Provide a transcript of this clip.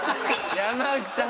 山内さん！